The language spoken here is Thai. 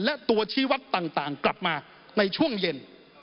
และตัวชี้วัดต่างกลับมาในช่วงเย็น